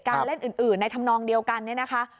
เล่นอื่นในธรรมนองเดียวกันเนี่ยนะคะ